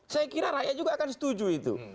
saya kira rakyat juga akan setuju itu